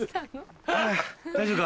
大丈夫か？